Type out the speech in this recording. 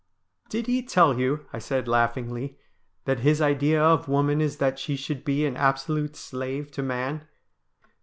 ' Did he tell you,' I said laughingly, ' that his idea of woman is that she should be an absolute slave to man